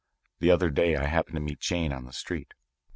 The other day I happened to meet Jane on the street.